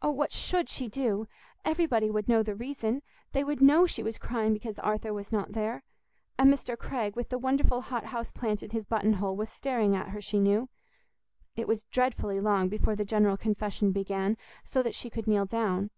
Oh, what should she do? Everybody would know the reason; they would know she was crying because Arthur was not there. And Mr. Craig, with the wonderful hothouse plant in his button hole, was staring at her, she knew. It was dreadfully long before the General Confession began, so that she could kneel down.